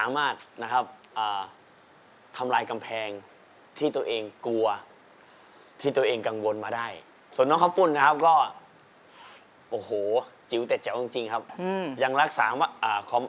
ไม่รู้ทำไมต้องรักพ่อมีเจ้าของ